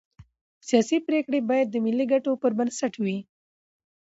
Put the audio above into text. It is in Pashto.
سیاسي پرېکړې باید د ملي ګټو پر بنسټ وي